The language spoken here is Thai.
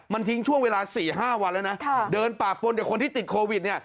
มันทิ้งช่วงเวลาสี่ห้าวันแล้วนะค่ะเดินปากปนเดี๋ยวคนที่ติดโควิดเนี้ย